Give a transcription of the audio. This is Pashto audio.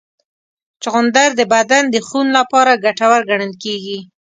چغندر د بدن د خون لپاره ګټور ګڼل کېږي.